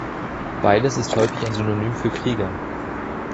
Beides ist häufig ein Synonym für „Krieger“.